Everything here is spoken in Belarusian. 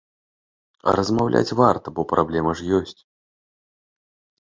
А размаўляць варта, бо праблема ж ёсць.